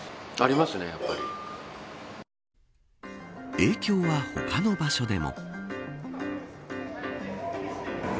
影響は、他の場所でも。